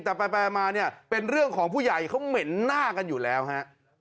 แต่ไปมาเนี่ยเป็นเรื่องของผู้ใหญ่เขาเหม็นหน้ากันอยู่แล้วฮะ